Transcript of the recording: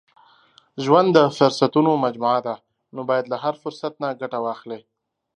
• ژوند د فرصتونو مجموعه ده، نو باید له هر فرصت نه ګټه واخلې.